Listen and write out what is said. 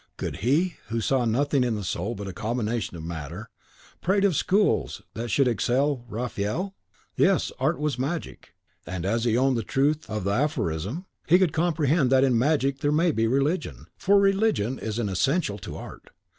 Could he, who saw nothing in the soul but a combination of matter, prate of schools that should excel a Raphael? Yes, art was magic; and as he owned the truth of the aphorism, he could comprehend that in magic there may be religion, for religion is an essential to art.